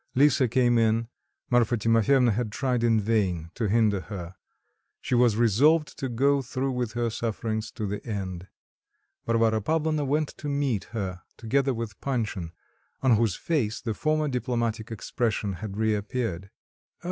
Lisa came in: Marfa Timofyevna had tried in vain to hinder her; she was resolved to go through with her sufferings to the end. Varvara Pavlovna went to meet her together with Panshin, on whose face the former diplomatic expression had reappeared.